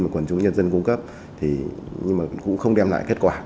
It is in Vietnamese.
mà quần chúng nhân dân cung cấp nhưng cũng không đem lại kết quả